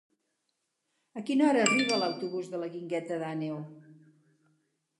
A quina hora arriba l'autobús de la Guingueta d'Àneu?